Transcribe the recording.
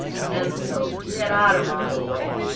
and so get out of my way."